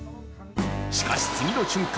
しかし、次の瞬間